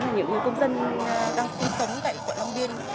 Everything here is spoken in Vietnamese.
và những người công dân đang sinh sống tại quận long biên